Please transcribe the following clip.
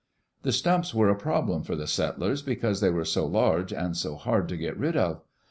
The stumps were a problem for the settlers, because they were so large and so hard to get rid of.